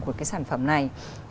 của cái sản phẩm này